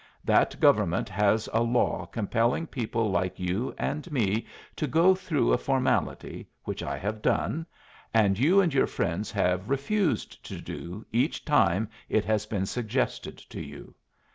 That government has a law compelling people like you and me to go through a formality, which I have done, and you and your friends have refused to do each time it has been suggested to you.